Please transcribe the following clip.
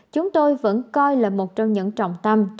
chúng tôi vẫn coi là một trong những trọng tâm